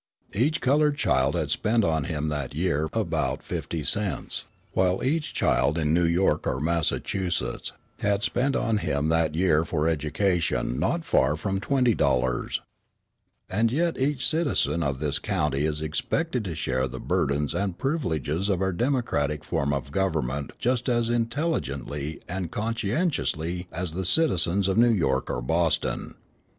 Each coloured child had had spent on him that year for his education about fifty cents, while each child in New York or Massachusetts had had spent on him that year for education not far from $20. And yet each citizen of this county is expected to share the burdens and privileges of our democratic form of government just as intelligently and conscientiously as the citizens of New York or Boston.